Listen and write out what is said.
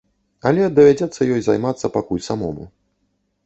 Але давядзецца ёй займацца пакуль самому.